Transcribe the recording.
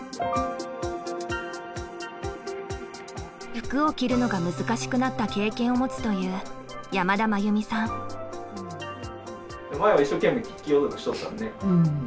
服を着るのが難しくなった経験を持つという前は一生懸命着ようとしてたもんね。